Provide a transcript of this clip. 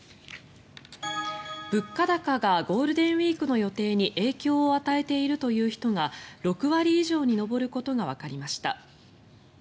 物価高がゴールデンウィークの予定に影響を与えているという人が６割以上に上ることがわかりました。